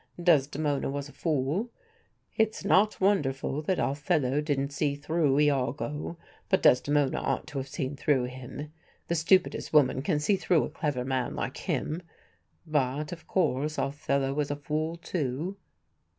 Desdemona was a fool. It's not wonderful that Othello didn't see through Iago; but Desdemona ought to have seen through him. The stupidest woman can see through a clever man like him; but, of course, Othello was a fool too."